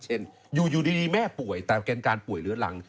อยู่ดีแม่ป่วยแต่เป็นการป่วยเหลือหลัง